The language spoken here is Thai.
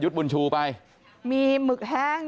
เออใครจะไปรู้ว่ามันจะเป็นอย่างนั้น